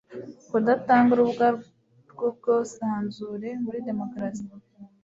Kudatanga urubuga rwubwosanzure muri demokarasi